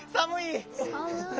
寒い！